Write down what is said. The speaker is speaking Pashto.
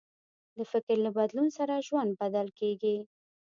د فکر له بدلون سره ژوند بدل کېږي.